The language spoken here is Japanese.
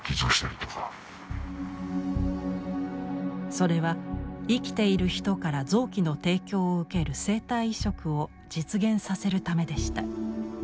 それは生きている人から臓器の提供を受ける生体移植を実現させるためでした。